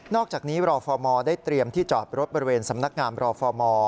อกจากนี้รอฟอร์มได้เตรียมที่จอดรถบริเวณสำนักงามรอฟอร์ม